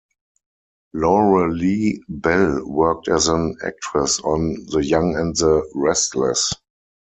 Lauralee Bell worked as an actress on "The Young and the Restless".